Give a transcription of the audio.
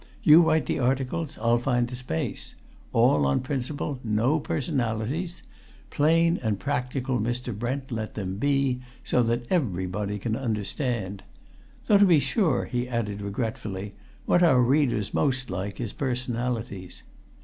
You write the articles; I'll find the space. All on principle no personalities. Plain and practical, Mr. Brent, let them be, so that everybody can understand. Though to be sure," he added regretfully, "what our readers most like is personalities!